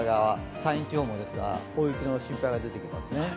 山陰地方もですが大雪の心配が出てきますね。